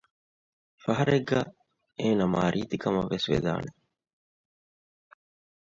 ފަހަރެއްގައި އޭނަ މާ ރީތީ ކަމަށްވެސް ވެދާނެ